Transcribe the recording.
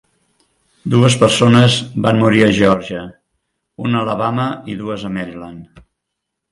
Dues persones van morir a Geòrgia, una a Alabama i dues a Maryland.